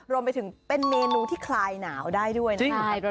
รวมไปถึงเป็นเมนูที่คลายหนาวได้ด้วยนะคะ